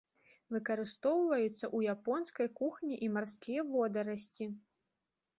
Выкарыстоўваюцца ў японскай кухні і марскія водарасці.